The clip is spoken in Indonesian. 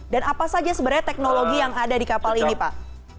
dan apa saja sebenarnya teknologi yang ada di kapal ini pak